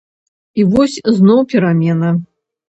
І вось зноў перамена.